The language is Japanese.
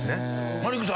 マリックさん。